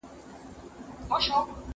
هغه وويل چي ځواب سم دی!!